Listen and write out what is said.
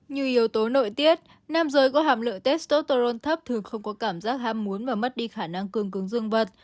như yếu tố nội tiết nam giới có hàm lượng testosterone thấp thường không có cảm giác ham muốn và mất đi khả năng cương cứng dương vật